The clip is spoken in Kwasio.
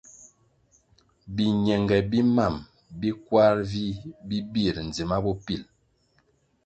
Biñenge bi mam bi kwar vih bi bir ndzima bopil.